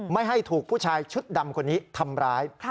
ไม่ให้ถูกผู้ชายชุดดำคนนี้ทำร้าย